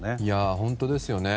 本当ですよね。